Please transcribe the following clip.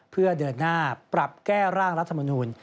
เพื่อเดินหน้าปรับแก้ร่างรัฐมนูล